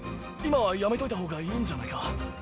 今はやめといたほうがいいんじゃないか？